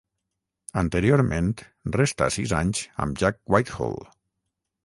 Anteriorment resta sis anys amb Jack Whitehall.